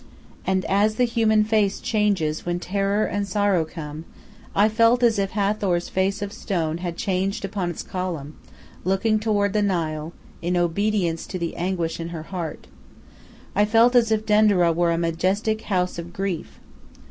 And as the human face changes when terror and sorrow come, I felt as if Hathor's face of stone had changed upon its column, looking toward the Nile, in obedience to the anguish in her heart; I felt as if Denderah were a majestic house of grief.